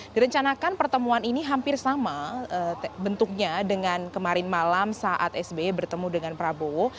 direncanakan pertemuan ini hampir sama bentuknya dengan kemarin malam saat sbe bertemu dengan prabowo